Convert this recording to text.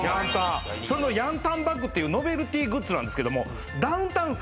それのヤンタンバッグっていうノベルティグッズなんですけども。